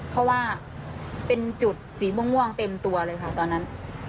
เพราะว่าเป็นจุดสีม่วงเต็มตัวเลยค่ะตอนนั้น